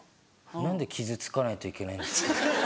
何で傷つかないといけないんですか？